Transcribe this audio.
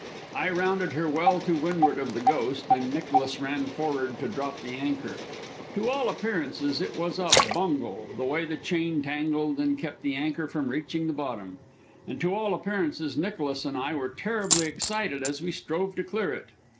I rounded her well to windward of the Ghost, and Nicholas ran for'ard to drop the anchor. To all appearances it was a bungle, the way the chain tangled and kept the anchor from reaching the bottom. And to all appearances Nicholas and I were terribly excited as we strove to clear it.